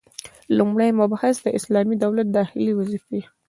لومړی مبحث: د اسلامي دولت داخلي وظيفي: